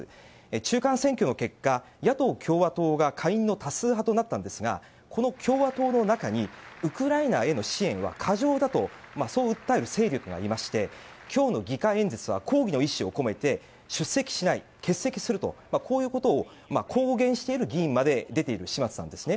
中間選挙の結果、野党・共和党が下院の多数派となったんですがこの共和党の中にウクライナへの支援は過剰だとそう訴える勢力がいまして今日の議会演説は抗議の意思を込めて出席しない、欠席するとこういうことを公言している議員まで出ている始末なんですね。